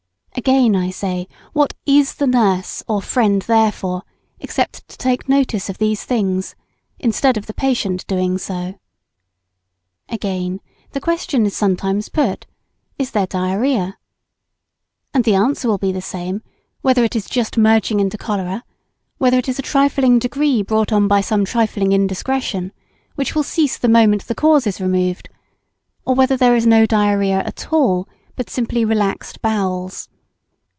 Again, I say, what is the nurse or friend there for except to take note of these things, instead of the patient doing so? [Sidenote: As to diarrhoea] Again, the question is sometimes put, Is there diarrhoea? And the answer will be the same, whether it is just merging into cholera, whether it is a trifling degree brought on by some trifling indiscretion, which will cease the moment the cause is removed, or whether there is no diarrhoea at all, but simply relaxed bowels.